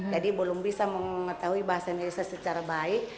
jadi belum bisa mengetahui bahasa indonesia secara baik